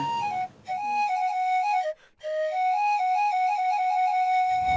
อนดังคือ